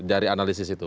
dari analisis itu